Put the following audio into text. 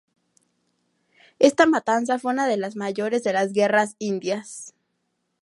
Esta matanza fue una de las mayores de las Guerras Indias.